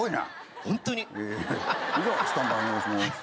じゃあスタンバイお願いします。